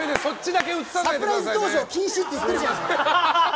サプライズ登場禁止って言ってるじゃない！